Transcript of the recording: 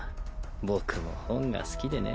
僕も本が好きでね。